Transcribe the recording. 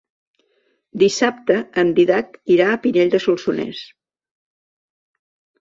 Dissabte en Dídac irà a Pinell de Solsonès.